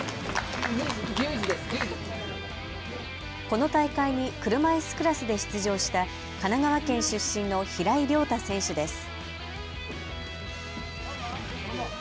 この大会に車いすクラスで出場した、神奈川県出身の平井亮太選手です。